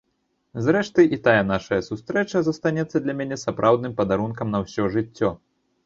Зрэшты, і тая нашая сустрэча застанецца для мяне сапраўдным падарункам на ўсё жыццё.